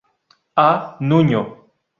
A. Nuño.